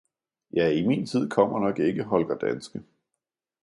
Ja i min tid kommer nok ikke Holger Danske!